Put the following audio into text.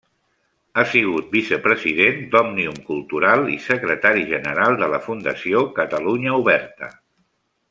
Ha sigut vicepresident d'Òmnium Cultural i secretari general de la Fundació Catalunya Oberta.